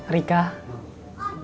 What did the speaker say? rika habis lebaran ini